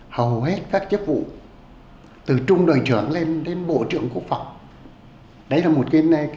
hầu hết các chức vụ từ trung đội trưởng lên đến bộ trưởng quốc phòng đấy là một cái nét không nhiều đâu